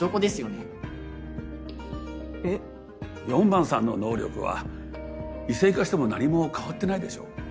４番さんの能力は異性化しても何も変わってないでしょう？